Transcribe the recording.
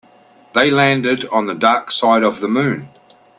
They landed on the dark side of the moon.